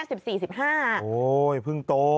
โอ้พึ่งโต